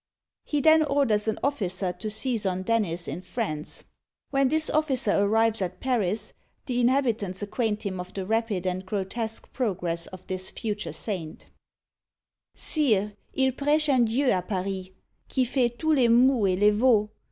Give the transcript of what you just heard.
He then orders an officer to seize on Dennis in France. When this officer arrives at Paris, the inhabitants acquaint him of the rapid and grotesque progress of this future saint: Sire, il preche un Dieu à Paris Qui fait tout les mouls et les vauls.